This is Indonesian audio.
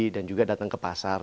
dan juga datang ke pasar